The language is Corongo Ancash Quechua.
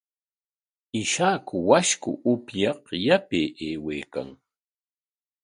Ishaku washku upyaq yapay aywaykan.